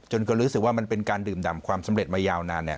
จนก็รู้สึกว่ามันเป็นการดื่มดำความสำเร็จมายาวนาน